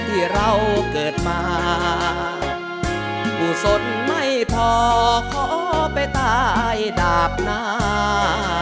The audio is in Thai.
ที่เราเกิดมาผู้สนไม่พอขอไปตายดาบหน้า